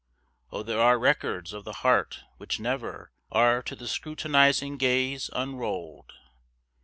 Oh, there are records of the heart which never Are to the scrutinizing gaze unrolled!